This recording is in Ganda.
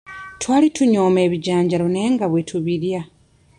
Twali tunyooma ebijanjaalo naye nga bwe tubirya.